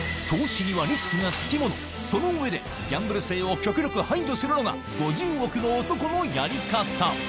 投資にはリスクがつきもの、その上でギャンブル性を極力排除するのが、５０億の男のやり方。